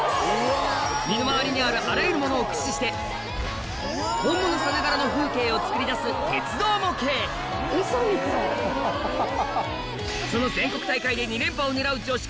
身の回りにあるあらゆるものを駆使して本物さながらの風景を作り出す鉄道模型その全国大会で２連覇を狙う女子高生